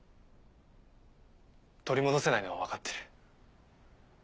取り戻せないのはわかってる。